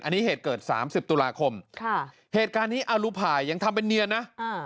อันนี้เหตุเกิดสามสิบตุลาคมค่ะเหตุการณ์นี้อรุภายยังทำเป็นเนียนนะ